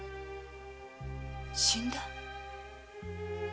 死んだ！